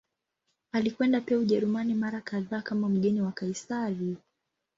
Alikwenda pia Ujerumani mara kadhaa kama mgeni wa Kaisari.